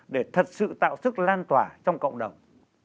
để thật sự tạo sức lan tỏa trong cộng đồng